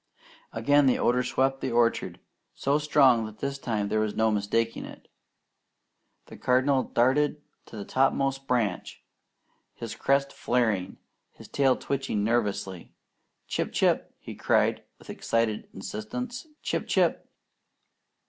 Again the odour swept the orchard, so strong that this time there was no mistaking it. The Cardinal darted to the topmost branch, his crest flaring, his tail twitching nervously. "Chip! Chip!" he cried with excited insistence, "Chip! Chip!"